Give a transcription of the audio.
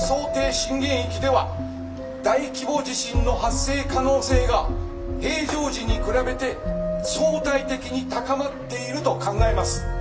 震源域では大規模地震の発生可能性が平常時に比べて相対的に高まっていると考えます。